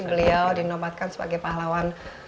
beliau dinomatkan sebagai pahlawan